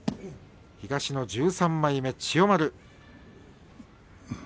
東の１３枚目、千代丸。